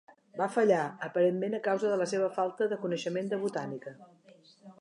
Va fallar, aparentment a causa de la seva falta de coneixement de botànica.